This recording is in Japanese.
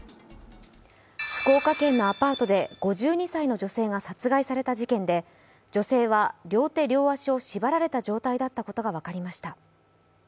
福岡県のアパートで５２歳の女性が殺害された事件で女性は両手両足を縛られた状態だったことが分かりました。